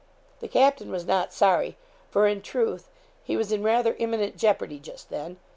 The captain was not sorry, for in truth he was in rather imminent jeopardy just then.